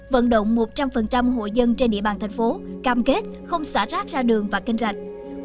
vận động một trăm linh hội dân trên địa bàn thành phố cam kết không xả rác ra đường và kênh rạch